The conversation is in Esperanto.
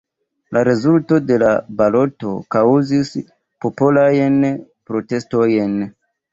La rezulto de la baloto kaŭzis popolajn protestojn.